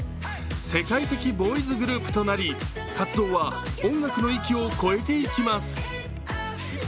世界的ボーイズグループとなり、活動は音楽の粋を超えていきます。